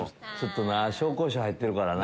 紹興酒入ってるからな。